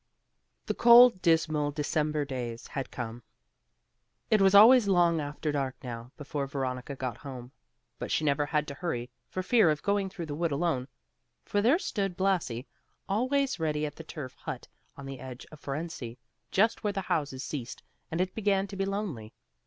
The cold, dismal December days had come. It was always long after dark now, before Veronica got home; but she never had to hurry, for fear of going through the wood alone, for there stood Blasi always ready at the turf hut on the edge of Fohrensee, just where the houses ceased and it began to be lonely.